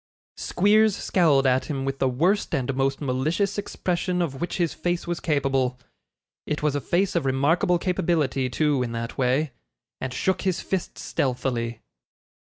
Squeers scowled at him with the worst and most malicious expression of which his face was capable it was a face of remarkable capability, too, in that way and shook his fist stealthily.